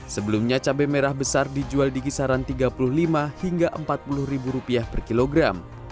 sebelumnya cabai merah besar dijual di kisaran rp tiga puluh lima hingga rp empat puluh per kilogram